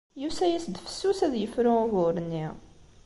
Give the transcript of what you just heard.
Yusa-as-d fessus ad yefru ugur-nni.